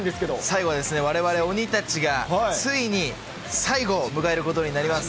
最後はですね、われわれ鬼たちが、ついに最期を迎えることになります。